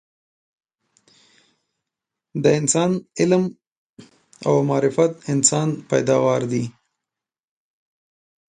د انسان علم او معرفت انسان پیداوار دي